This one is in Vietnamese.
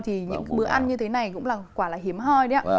thì những bữa ăn như thế này cũng là quả là hiếm hoi đấy ạ